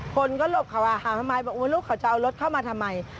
คนก็โลบข่าวว่าทำไมบอกว่าจะเอารถเข้ามาทำไม